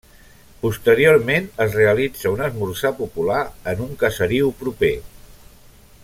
Posteriorment es realitza un esmorzar popular en un caseriu proper.